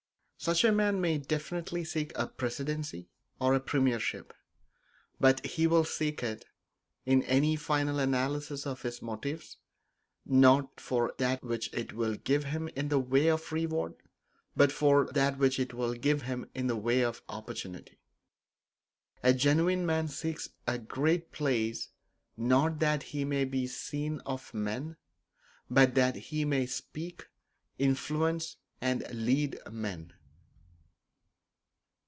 Such a man may definitely seek a Presidency or a Premiership; but he will seek it, in any final analysis of his motives, not for that which it will give him in the way of reward, but for that which it will give him in the way of opportunity. A genuine man seeks a great place, not that he may be seen of men, but that he may speak, influence and lead men.